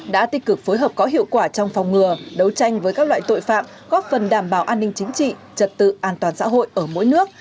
đã tích cực phối hợp có hiệu quả trong phòng ngừa đấu tranh với các loại tội phạm góp phần đảm bảo an ninh chính trị trật tự an toàn xã hội ở mỗi nước